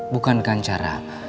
bukan dengan cara